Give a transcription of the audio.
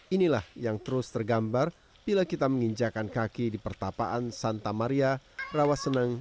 inilah yang terus tergambar bila kita menginjakan kaki di pertapaan santa maria rawaseneng